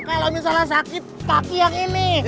kalau misalnya sakit kaki yang ini